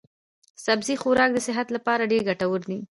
سبزي خوراک د صحت لپاره ډېر ګټور دی.